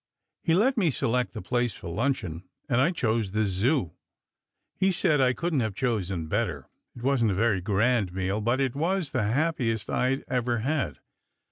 He let me select the place for luncheon, and I chose the Zoo. He said I couldn t have chosen better. It wasn t a very grand meal, but it was the happiest I d ever had.